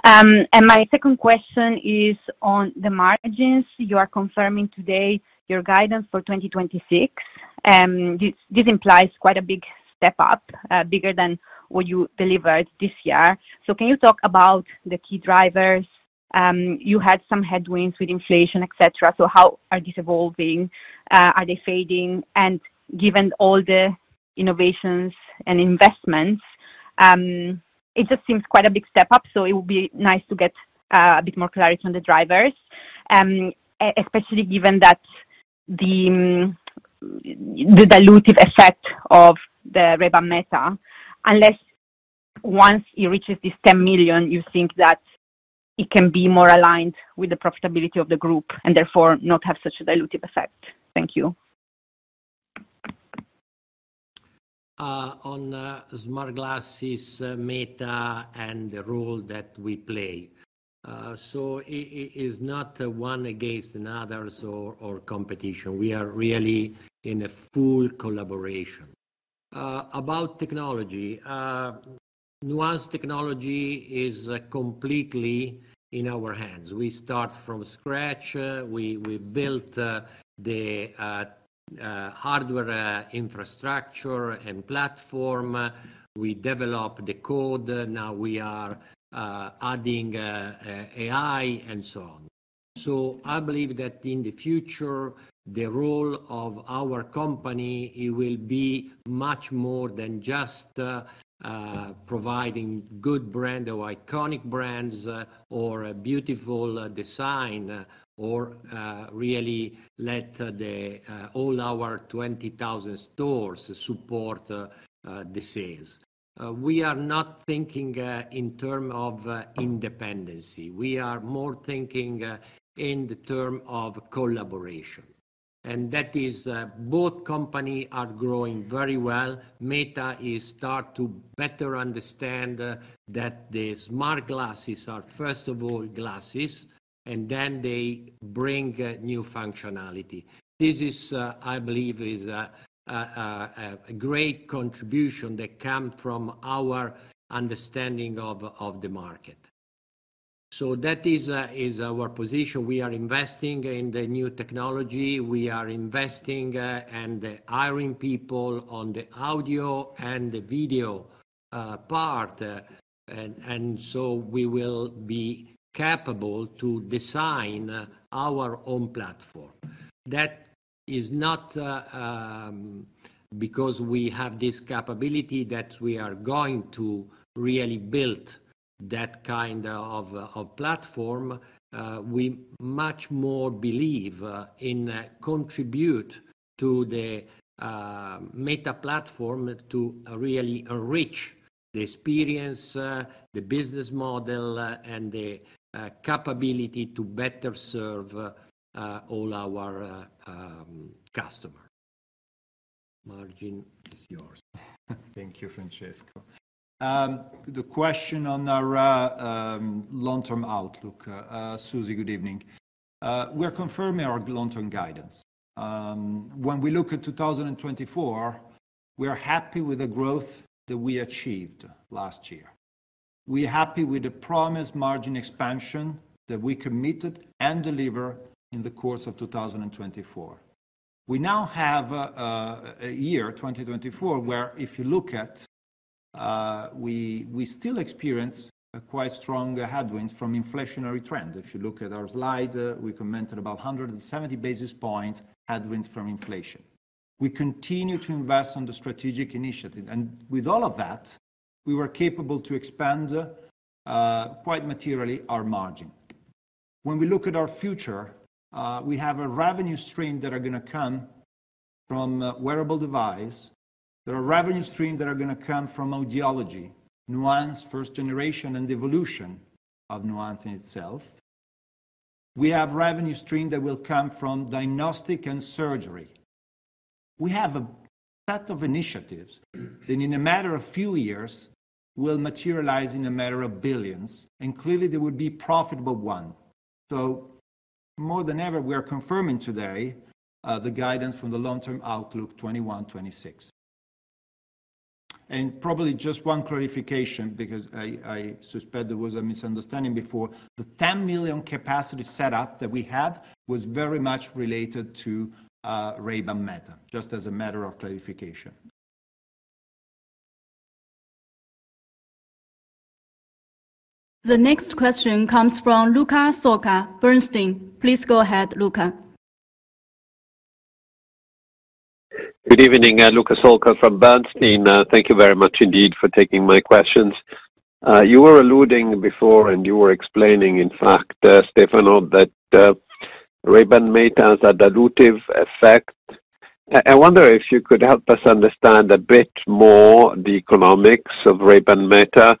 And my second question is on the margins. You are confirming today your guidance for 2026. This implies quite a big step up, bigger than what you delivered this year. So can you talk about the key drivers? You had some headwinds with inflation, etc. So how are these evolving? Are they fading? And given all the innovations and investments, it just seems quite a big step up. So it would be nice to get a bit more clarity on the drivers, especially given the dilutive effect of the Ray-Ban Meta. Unless, once it reaches this 10 million, you think that it can be more aligned with the profitability of the group and therefore not have such a dilutive effect. Thank you.
On smart glasses, Meta, and the role that we play. So it is not one against another or competition. We are really in a full collaboration. About technology, Nuance technology is completely in our hands. We start from scratch. We built the hardware infrastructure and platform. We develop the code. Now we are adding AI and so on. So I believe that in the future, the role of our company will be much more than just providing good brand or iconic brands or a beautiful design or really let all our 20,000 stores support the sales. We are not thinking in terms of independence. We are more thinking in terms of collaboration. And that is both companies are growing very well. Meta is starting to better understand that the smart glasses are, first of all, glasses, and then they bring new functionality. This is, I believe, a great contribution that comes from our understanding of the market. So that is our position. We are investing in the new technology. We are investing and hiring people on the audio and the video part. And so we will be capable to design our own platform. That is not because we have this capability that we are going to really build that kind of platform. We much more believe in contributing to the Meta platform to really enrich the experience, the business model, and the capability to better serve all our customers. Margin, it's yours.
Thank you, Francesco. The question on our long-term outlook. Susy, good evening. We're confirming our long-term guidance. When we look at 2024, we're happy with the growth that we achieved last year. We're happy with the promised margin expansion that we committed and delivered in the course of 2024. We now have a year, 2024, where if you look at, we still experience quite strong headwinds from inflationary trends. If you look at our slide, we commented about 170 basis points headwinds from inflation. We continue to invest on the strategic initiative. And with all of that, we were capable to expand quite materially our margin. When we look at our future, we have a revenue stream that is going to come from wearable devices. There are revenue streams that are going to come from audiology, Nuance first generation, and the evolution of Nuance in itself. We have revenue streams that will come from diagnostic and surgery. We have a set of initiatives that in a matter of a few years will materialize in a matter of billions, and clearly there will be profitable ones. So more than ever, we are confirming today the guidance from the long-term outlook 2021-2026. And probably just one clarification, because I suspect there was a misunderstanding before. The 10 million capacity setup that we have was very much related to Ray-Ban Meta, just as a matter of clarification.
The next question comes from Luca Solca, Bernstein. Please go ahead, Luca.
Good evening. Luca Solca from Bernstein. Thank you very much indeed for taking my questions. You were alluding before, and you were explaining, in fact, Stefano, that Ray-Ban Meta has a dilutive effect. I wonder if you could help us understand a bit more the economics of Ray-Ban Meta.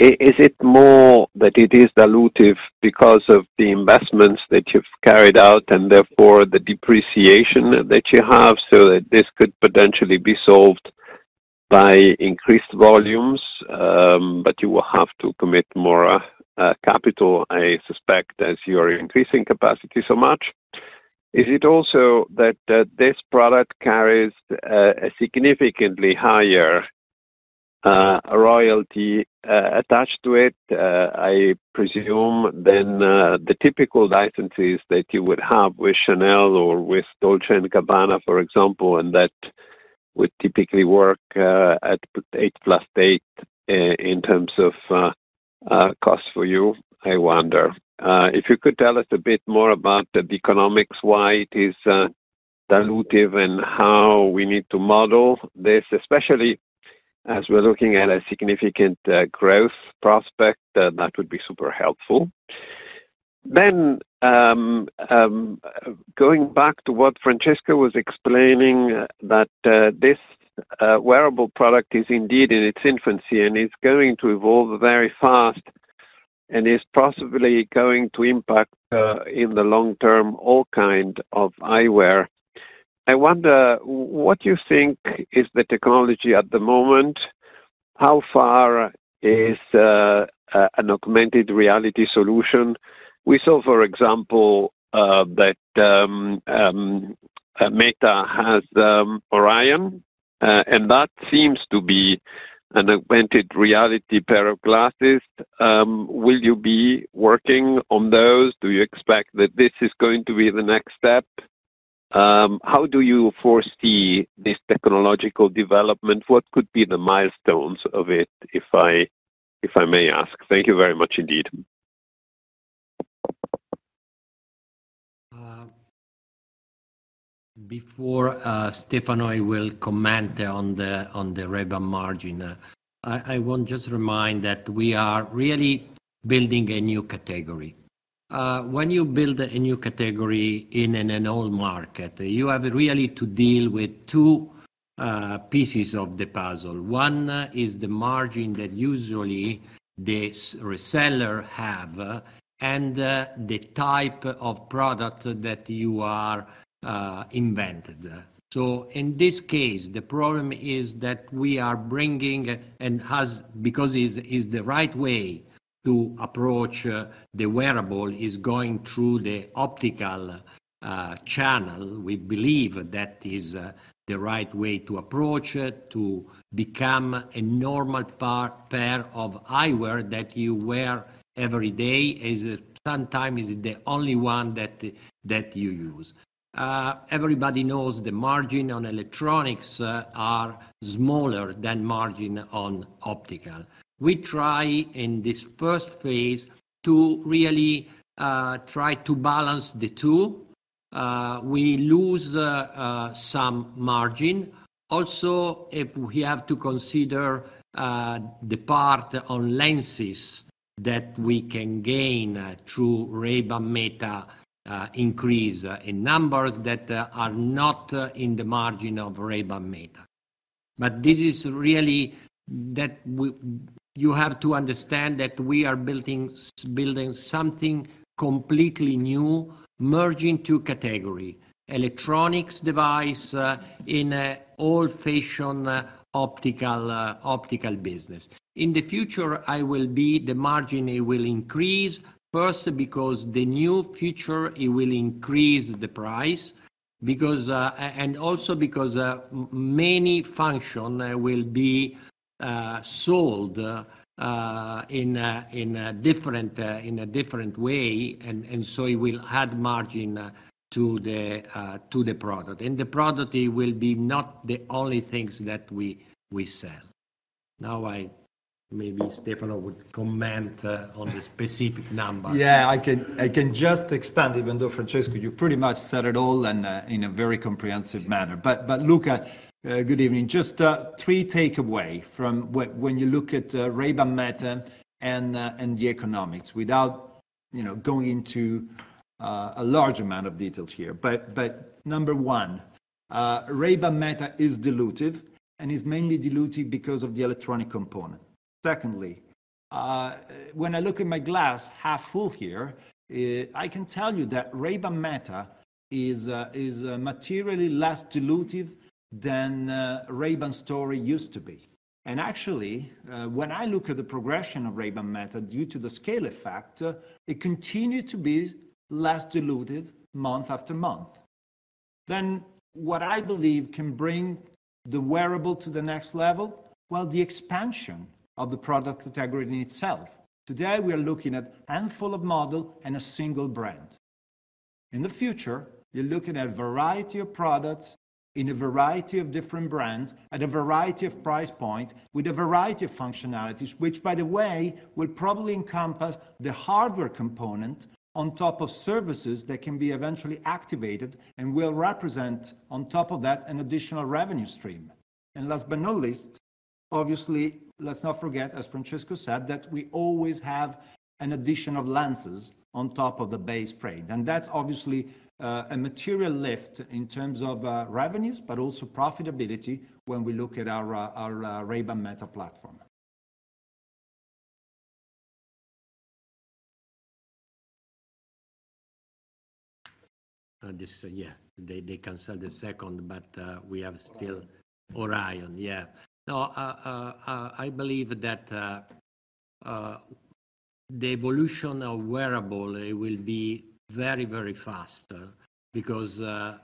Is it more that it is dilutive because of the investments that you've carried out and therefore the depreciation that you have so that this could potentially be solved by increased volumes, but you will have to commit more capital, I suspect, as you are increasing capacity so much? Is it also that this product carries a significantly higher royalty attached to it, I presume, than the typical licenses that you would have with Chanel or with Dolce & Gabbana, for example, and that would typically work at eight plus eight in terms of cost for you? I wonder. If you could tell us a bit more about the economics, why it is dilutive, and how we need to model this, especially as we're looking at a significant growth prospect, that would be super helpful. Then, going back to what Francesco was explaining, that this wearable product is indeed in its infancy and is going to evolve very fast and is possibly going to impact in the long term all kinds of eyewear. I wonder what you think is the technology at the moment. How far is an augmented reality solution? We saw, for example, that Meta has Orion, and that seems to be an augmented reality pair of glasses. Will you be working on those? Do you expect that this is going to be the next step? How do you foresee this technological development? What could be the milestones of it, if I may ask? Thank you very much indeed.
Before Stefano will comment on the Ray-Ban margin, I want to just remind that we are really building a new category. When you build a new category in an old market, you have really to deal with two pieces of the puzzle. One is the margin that usually the reseller has and the type of product that you have invented. So in this case, the problem is that we are bringing, and because it's the right way to approach the wearable, is going through the optical channel. We believe that is the right way to approach it to become a normal pair of eyewear that you wear every day. Sometimes it's the only one that you use. Everybody knows the margin on electronics is smaller than the margin on optical. We try in this first phase to really balance the two. We lose some margin. Also, if we have to consider the part on lenses that we can gain through Ray-Ban Meta increase in numbers that are not in the margin of Ray-Ban Meta. But this is really that you have to understand that we are building something completely new, merging two categories: electronic devices in an old-fashioned optical business. In the future, I believe the margin will increase, first because the new features will increase the price, and also because many functions will be sold in a different way, and so it will add margin to the product. And the product will be not the only things that we sell. Now, maybe Stefano would comment on the specific number.
Yeah, I can just expand, even though Francesco, you pretty much said it all in a very comprehensive manner. But Luca, good evening. Just three takeaways from when you look at Ray-Ban Meta and the economics, without going into a large amount of details here, but number one, Ray-Ban Meta is dilutive, and it's mainly dilutive because of the electronic component. Secondly, when I look at my glass half full here, I can tell you that Ray-Ban Meta is materially less dilutive than Ray-Ban Stories used to be, and actually, when I look at the progression of Ray-Ban Meta due to the scale effect, it continued to be less dilutive month after month, then what I believe can bring the wearable to the next level, well, the expansion of the product category in itself. Today, we are looking at a handful of models and a single brand. In the future, you're looking at a variety of products in a variety of different brands at a variety of price points with a variety of functionalities, which, by the way, will probably encompass the hardware component on top of services that can be eventually activated and will represent on top of that an additional revenue stream. And last but not least, obviously, let's not forget, as Francesco said, that we always have an addition of lenses on top of the base frame. And that's obviously a material lift in terms of revenues, but also profitability when we look at our Ray-Ban Meta platform.
Yeah, they canceled the second, but we have still Orion. Yeah. Now, I believe that the evolution of wearables will be very, very fast because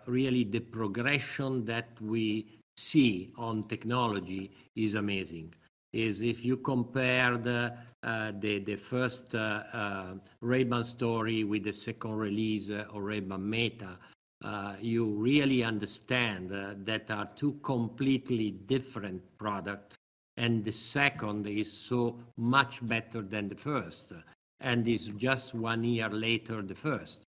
really the progression that we see on technology is amazing. If you compare the first Ray-Ban Stories with the second release of Ray-Ban Meta, you really understand that they are two completely different products, and the second is so much better than the first. And it's just one year later than the first.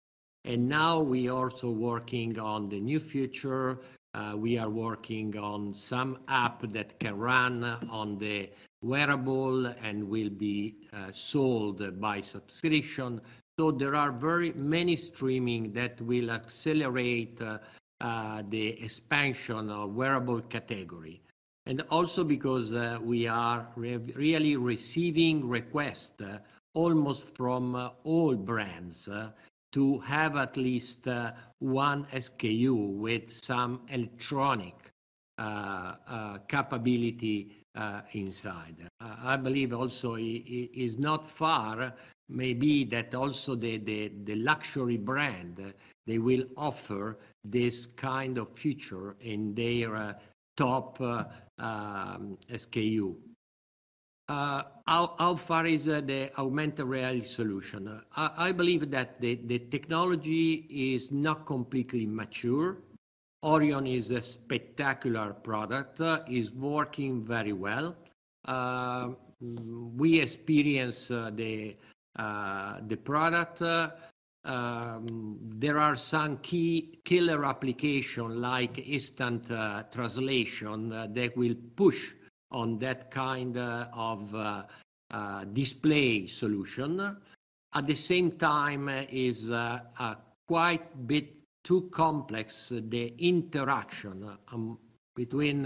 And now we are also working on the new future. We are working on some app that can run on the wearable and will be sold by subscription. So there are very many streams that will accelerate the expansion of the wearable category. And also because we are really receiving requests almost from all brands to have at least one SKU with some electronic capability inside. I believe also it's not far, maybe, that also the luxury brand, they will offer this kind of feature in their top SKU. How far is the augmented reality solution? I believe that the technology is not completely mature. Orion is a spectacular product. It's working very well. We experience the product. There are some key killer applications like instant translation that will push on that kind of display solution. At the same time, it's quite a bit too complex, the interaction between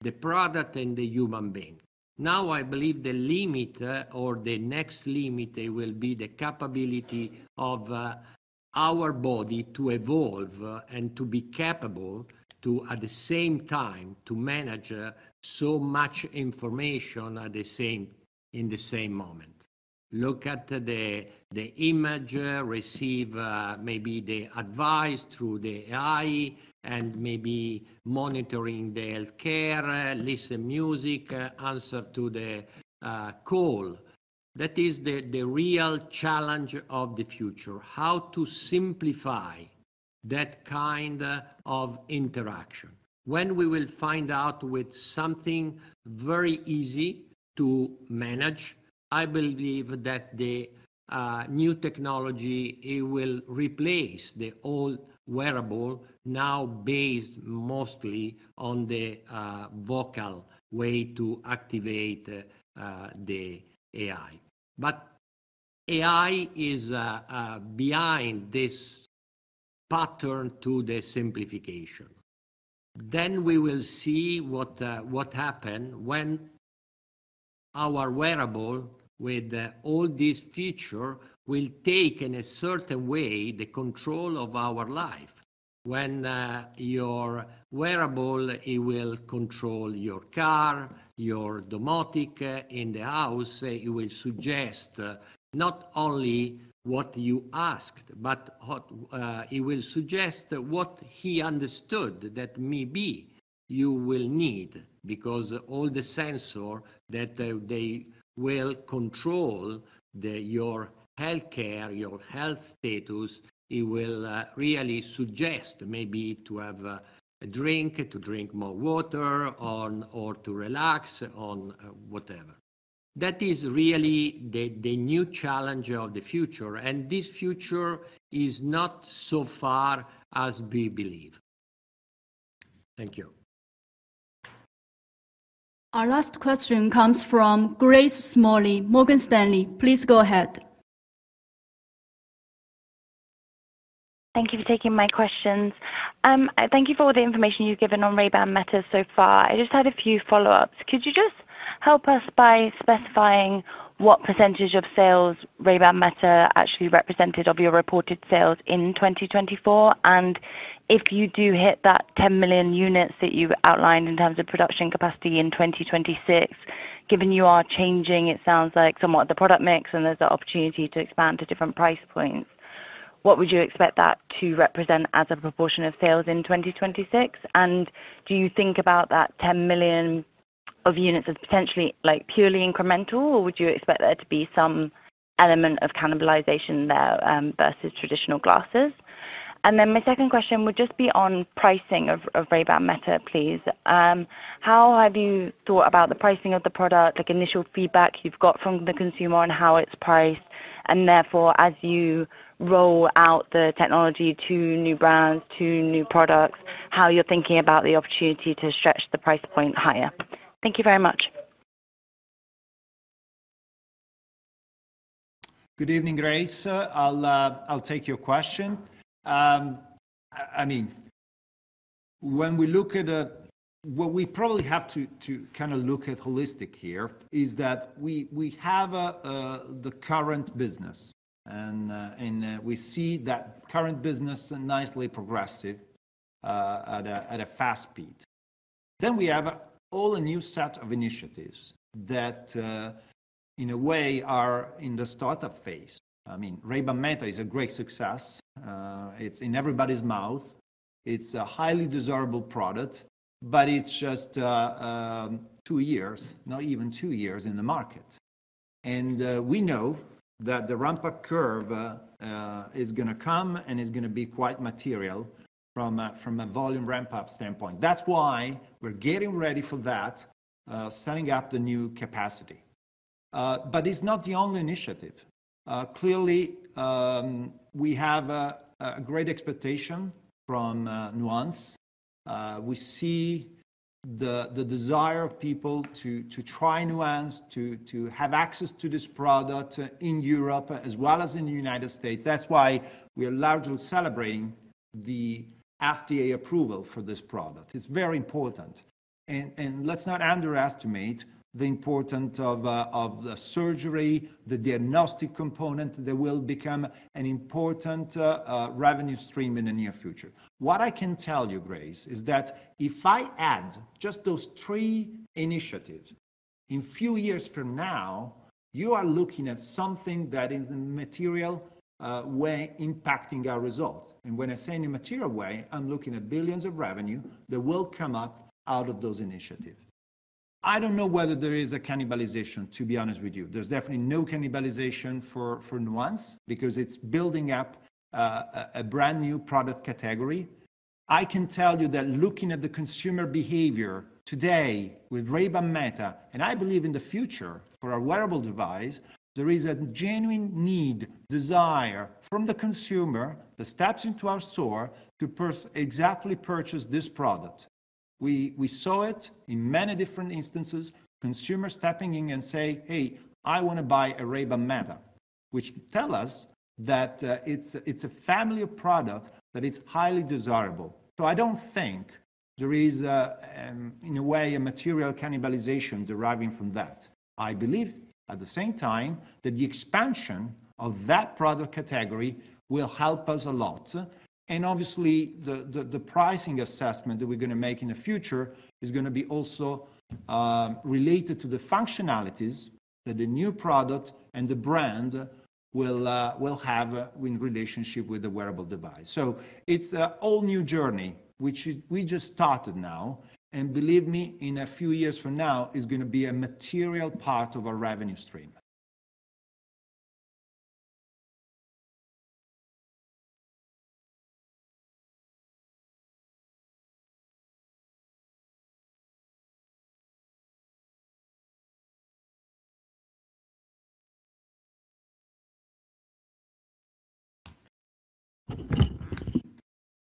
the product and the human being. Now, I believe the limit or the next limit will be the capability of our body to evolve and to be capable to, at the same time, manage so much information in the same moment. Look at the image, receive maybe the advice through the AI, and maybe monitoring the healthcare, listen to music, answer to the call. That is the real challenge of the future: how to simplify that kind of interaction. When we will find out with something very easy to manage, I believe that the new technology will replace the old wearable, now based mostly on the vocal way to activate the AI, but AI is behind this pattern to the simplification, then we will see what happens when our wearable with all these features will take in a certain way the control of our life. When your wearable will control your car, your domotics in the house, it will suggest not only what you asked, but it will suggest what he understood that maybe you will need because all the sensors that they will control your healthcare, your health status, it will really suggest maybe to have a drink, to drink more water, or to relax or whatever. That is really the new challenge of the future, and this future is not so far as we believe.
Thank you.
Our last question comes from Grace Smalley, Morgan Stanley. Please go ahead.
Thank you for taking my questions. Thank you for all the information you've given on Ray-Ban Meta so far. I just had a few follow-ups. Could you just help us by specifying what percentage of sales Ray-Ban Meta actually represented of your reported sales in 2024? And if you do hit that 10 million units that you outlined in terms of production capacity in 2026, given you are changing, it sounds like, somewhat the product mix and there's an opportunity to expand to different price points, what would you expect that to represent as a proportion of sales in 2026? And do you think about that 10 million of units as potentially purely incremental, or would you expect there to be some element of cannibalization there versus traditional glasses? And then my second question would just be on pricing of Ray-Ban Meta, please. How have you thought about the pricing of the product, like initial feedback you've got from the consumer on how it's priced, and therefore, as you roll out the technology to new brands, to new products, how you're thinking about the opportunity to stretch the price point higher? Thank you very much.
Good evening, Grace. I'll take your question. I mean, when we look at what we probably have to kind of look at holistically here is that we have the current business, and we see that current business is nicely progressive at a fast speed. Then we have all a new set of initiatives that, in a way, are in the startup phase. I mean, Ray-Ban Meta is a great success. It's in everybody's mouth. It's a highly desirable product, but it's just two years, not even two years, in the market. And we know that the ramp-up curve is going to come and is going to be quite material from a volume ramp-up standpoint. That's why we're getting ready for that, setting up the new capacity. But it's not the only initiative. Clearly, we have a great expectation from Nuance. We see the desire of people to try Nuance, to have access to this product in Europe as well as in the United States. That's why we are largely celebrating the FDA approval for this product. It's very important. And let's not underestimate the importance of the surgery, the diagnostic component that will become an important revenue stream in the near future. What I can tell you, Grace, is that if I add just those three initiatives in a few years from now, you are looking at something that is in a material way impacting our results, and when I say in a material way, I'm looking at billions of revenue that will come up out of those initiatives. I don't know whether there is a cannibalization, to be honest with you. There's definitely no cannibalization for Nuance because it's building up a brand new product category. I can tell you that looking at the consumer behavior today with Ray-Ban Meta, and I believe in the future for our wearable device, there is a genuine need, desire from the consumer that steps into our store to exactly purchase this product. We saw it in many different instances, consumers stepping in and saying, "Hey, I want to buy a Ray-Ban Meta," which tells us that it's a family of products that is highly desirable, so I don't think there is, in a way, a material cannibalization deriving from that. I believe, at the same time, that the expansion of that product category will help us a lot, and obviously, the pricing assessment that we're going to make in the future is going to be also related to the functionalities that the new product and the brand will have in relationship with the wearable device, so it's an all-new journey, which we just started now, and believe me, in a few years from now, it's going to be a material part of our revenue stream.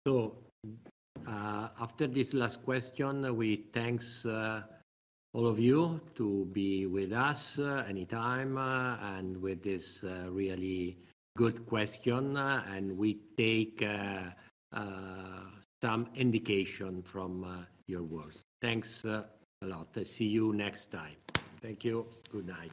So, after this last question, we thank all of you to be with us anytime and with this really good question, and we take some indication from your words. Thanks a lot. See you next time. Thank you. Good night.